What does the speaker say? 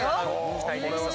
期待できそう。